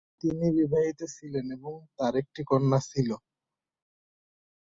তিনি বিবাহিত ছিলেন এবং তাঁর একটি কন্যা ছিল।